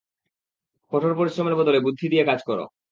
কঠোর পরিশ্রমের বদলে বুদ্ধি দিয়ে কাজ করো।